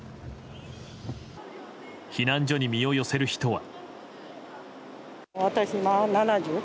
避難所に身を寄せる人は。